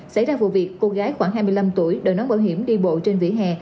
xảy ra vụ việc cô gái khoảng hai mươi năm tuổi đời nón bảo hiểm đi bộ trên vỉa hè